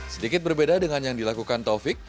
sedikit berbeda dengan yang dilakukan taufik